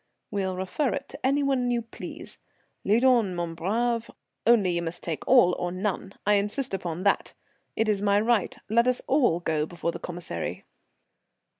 "We'll refer it to any one you please. Lead on, mon brave, only you must take all or none. I insist upon that. It is my right; let us all go before the Commissary."